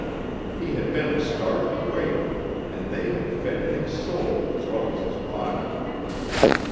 He had been a starved waif, and they had fed his soul as well as his body.